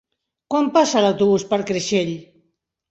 Quan passa l'autobús per Creixell?